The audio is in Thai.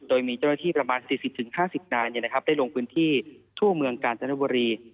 โดยมีเจ้าหน้าที่ประมาณ๔๐๕๐นายได้ลงพื้นที่ทั่วเมืองกาญจนบุรี